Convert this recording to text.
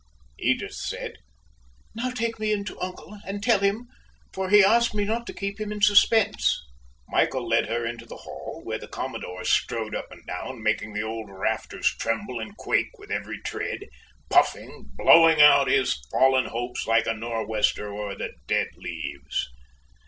Edith said: "Now take me in to uncle, and tell him, for he asked me not to keep him in suspense." Michael led her into the hall, where the commodore strode up and down, making the old rafters tremble and quake with every tread puffing blowing over his fallen hopes, like a nor' wester over the dead leaves.